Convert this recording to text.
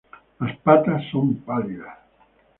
Las patas son pálidas.